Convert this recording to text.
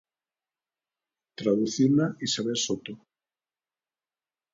Traduciuna Isabel Soto.